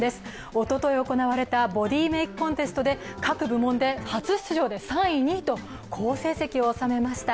おととい行われたボディメイクコンテストで各部門で初出場で３位、２位と好成績を納めました。